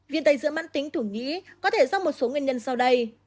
viên tay giữa mãn tính thủng nghĩ có thể do một số nguyên nhân sau đây